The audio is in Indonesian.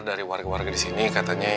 dari warga warga disini katanya